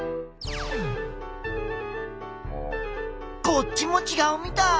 こっちもちがうみたい！